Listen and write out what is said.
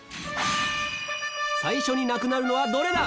最初になくなるのはどれだ？